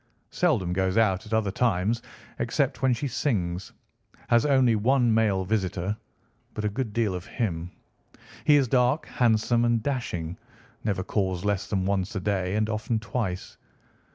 Seldom goes out at other times, except when she sings. Has only one male visitor, but a good deal of him. He is dark, handsome, and dashing, never calls less than once a day, and often twice.